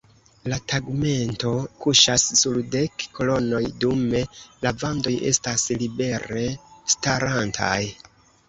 La tegmento kuŝas sur dek kolonoj dume la vandoj estas libere starantaj.